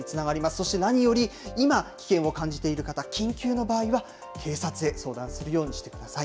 そして何より、今危険を感じている方、緊急の場合は警察に相談するようにしてください。